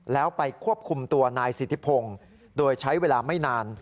แล้วไปควบคุมตัวนายสิทธิพงศ์โดยใช้เวลาไม่นาน